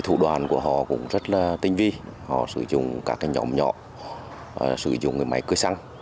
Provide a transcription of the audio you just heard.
thủ đoàn của họ cũng rất tinh vi họ sử dụng các nhóm nhỏ sử dụng máy cưới xăng